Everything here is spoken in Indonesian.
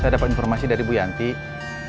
karena pandemi sudah menyampan